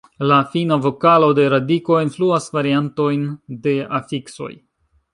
La fina vokalo de radiko influas variantojn de afiksoj.